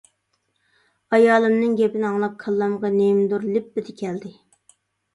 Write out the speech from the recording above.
ئايالىمنىڭ گېپىنى ئاڭلاپ كاللامغا نېمىدۇر لىپپىدە كەلدى.